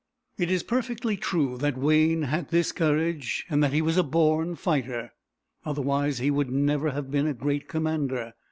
It is perfectly true that Wayne had this courage, and that he was a born fighter; otherwise, he never would have been a great commander.